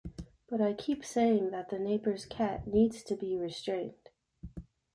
But I keep saying that the neighbor's cat needs to be restrained.